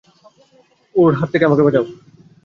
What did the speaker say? ওর হাত থেকে আমাকে বাঁচাও!